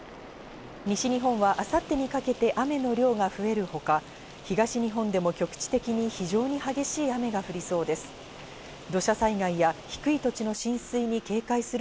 西日本は明後日にかけて雨の量が増えるほか、東日本でも局地的に非常に激しい雨が降りそうです。